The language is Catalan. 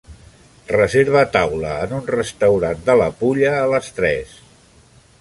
Reserva taula en un restaurant de la Pulla a les tres